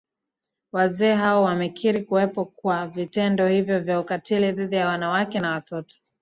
Wazee hao wamekiri kuwepo kwa vitendo hivyo vya ukatili dhidi ya wanawake na watoto